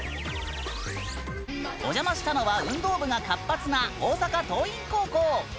お邪魔したのは運動部が活発な大阪桐蔭高校。